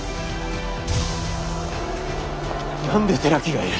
何で寺木がいる？